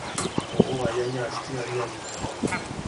我為人人，人人為我